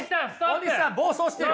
大西さん暴走してる。